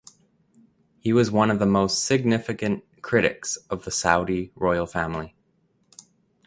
He was one of the most significant critics of the Saudi royal family.